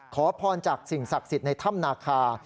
ขอพรจากสิ่งศักดิ์สิทธิ์ในถ้ำนาคา